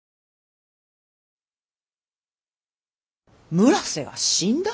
村瀬が死んだ？